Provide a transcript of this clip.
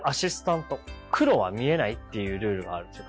黒は見えないっていうルールがあるんですよ